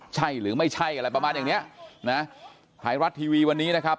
ใช่หรือไม่ใช่อะไรประมาณอย่างเนี้ยนะไทยรัฐทีวีวันนี้นะครับ